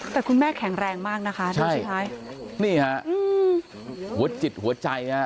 แต่คุณแม่แข็งแรงมากนะคะใช่นี่ฮะหัวจิตหัวใจ